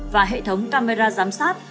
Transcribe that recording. và hệ thống camera giám sát